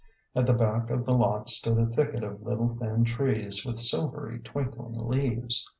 At the back of the lot stood a thicket of little thin trees, with silvery twinkling leaves.